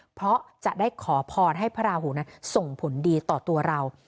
เพราะจะได้ขอพรให้พระราหูนั้นส่งผลดีต่อตัวเรา